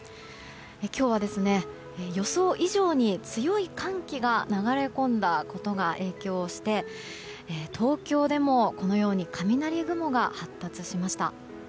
今日は予想以上に強い寒気が流れ込んだことが影響して東京でもこのように雷雲が発達しました。